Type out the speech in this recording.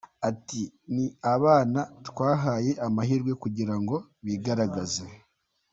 Ati “Ni abana twahaye amahirwe kugira ngo bigaragaze.